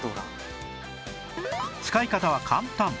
使い方は簡単